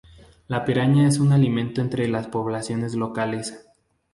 La piraña es un alimento entre las poblaciones locales.